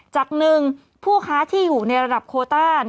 จากหนึ่งผู้ค้าที่อยู่ในระดับโคต้า